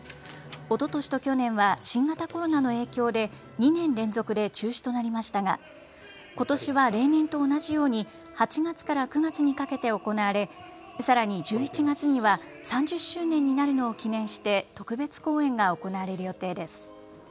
おととしと去年は新型コロナの影響で２年連続で中止となりましたがことしは例年と同じように８月から９月にかけて行われさらに１１月には３０周年になるのを記念して特別公演が行われる予定です。